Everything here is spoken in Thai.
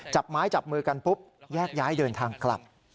จับไม้จับมือกันปุ๊บแยกย้ายเดินทางกลับ